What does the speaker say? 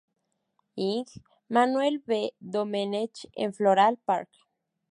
Ing. Manuel V. Domenech en Floral Park.